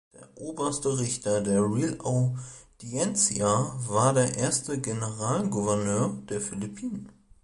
Der oberste Richter der Real Audiencia war der erste Generalgouverneur der Philippinen.